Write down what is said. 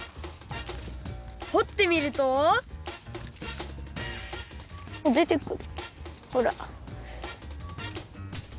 ほってみるとでてくるほら。